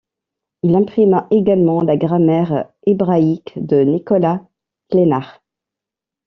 Il imprima également la grammaire hébraïque de Nicolas Clénard.